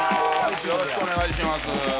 よろしくお願いします